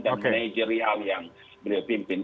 dan manajerial yang beliau pimpin